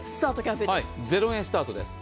０円スタートです。